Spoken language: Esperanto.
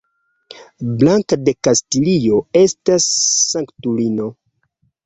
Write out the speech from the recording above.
Blanka de Kastilio estas sanktulino.